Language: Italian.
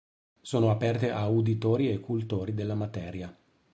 Sono aperte a uditori e cultori della materia.